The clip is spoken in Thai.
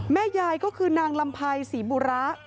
แม่ยายก็คือนางลำไพรศรีบุระ